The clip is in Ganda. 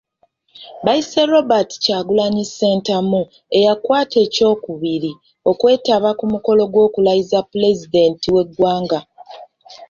Bayise Robert Kyagulanyi Ssentamu eyakwata ekyokubiri okwetaba ku mukolo gw'okulayiza Pulezidenti w'eggwanga.